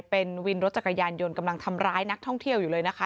เป็นวินรถจักรยานยนต์กำลังทำร้ายนักท่องเที่ยวอยู่เลยนะคะ